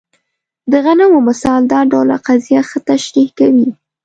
د غنمو مثال دا ټوله قضیه ښه تشریح کوي.